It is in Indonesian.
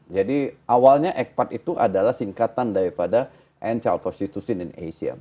jadi awalnya ecpat itu adalah singkatan daripada end child prostitution in asia